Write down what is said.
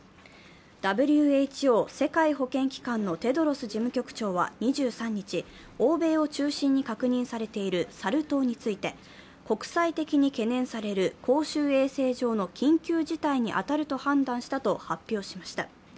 ＷＨＯ＝世界保健機関のテドロス事務局長は２３日、欧米を中心に確認されているサル痘について国際的に懸念される公衆衛生上の緊急事態に当たると判断したと発表しました。